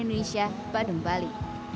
indonesia padang bali